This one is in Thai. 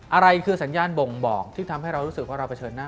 อะไรคือสัญญาณบ่งบอกที่ทำให้เรารู้สึกว่าเราเผชิญหน้า